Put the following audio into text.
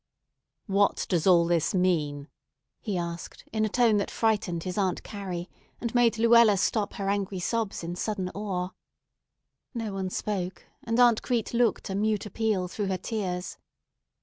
"What does all this mean?" he asked in a tone that frightened his Aunt Carrie, and made Luella stop her angry sobs in sudden awe. No one spoke, and Aunt Crete looked a mute appeal through her tears.